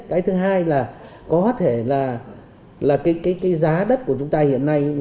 cái thứ hai là có thể là cái giá đất của chúng ta hiện nay